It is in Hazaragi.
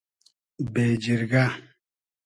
بېجیرگۂ